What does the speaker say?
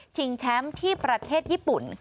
แชมป์ที่ประเทศญี่ปุ่น